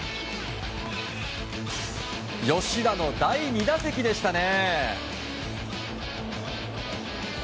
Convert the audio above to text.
吉田の第２打席でしたね。